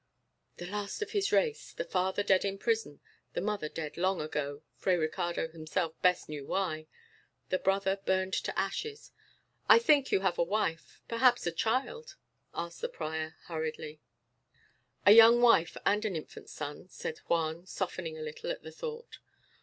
The last of his race! The father dead in prison; the mother dead long ago (Fray Ricardo himself best knew why); the brother burned to ashes. "I think you have a wife, perhaps a child?" asked the prior hurriedly. "A young wife, and an infant son," said Juan, softening a little at the thought.